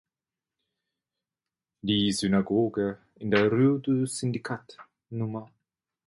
Die Synagoge in der Rue du Syndicat Nr.